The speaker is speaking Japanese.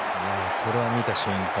これは見た瞬間